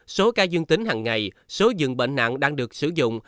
số ca dương tính hằng ngày số dường bệnh nặng đang được sử dụng